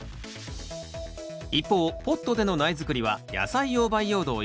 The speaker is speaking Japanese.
一方ポットでの苗づくりは野菜用培養土を入れ